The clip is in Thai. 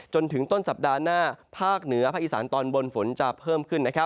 จนถึงต้นสัปดาห์หน้าภาคเหนือภาคอีสานตอนบนฝนจะเพิ่มขึ้น